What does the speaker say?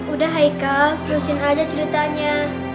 udah hai ka terusin aja ceritanya